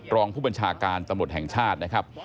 รองผู้บัญชาการตำรวจแห่งชาตินะครับ